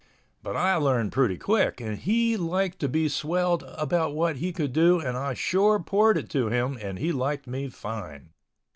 But I learned pretty quick that he liked to be swelled about what he could do and I sure poured it to him, and he liked me fine.